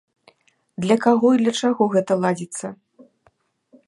Для каго і для чаго гэта ладзіцца?